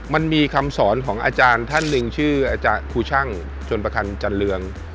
มันมีคำสอนของอาจารย์ท่านหนึ่งชื่ออาจารย์ครูช่างชนประคันจันเรือง